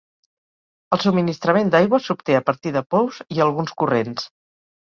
El subministrament d'aigua s'obté a partir de pous i alguns corrents.